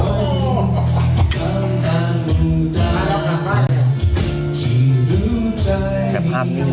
ไม่โมงไกลกว่าเจ๊